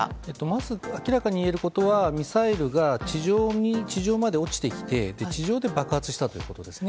まず明らかに言えることはミサイルが地上まで落ちてきて地上で爆発したということです。